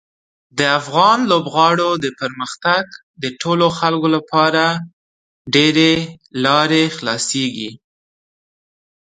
د افغان لوبغاړو د پرمختګ د ټولو خلکو لپاره ډېرې لارې خلاصیږي.